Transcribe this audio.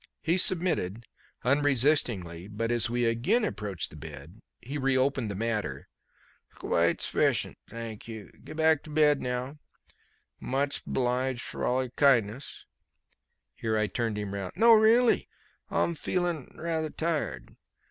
He submitted unresistingly, but as we again approached the bed he reopened the matter. "S'quite s'fficient, thang you. Gebback to bed now. Much 'bliged frall your kindness" here I turned him round "no, really; m'feeling rather tired.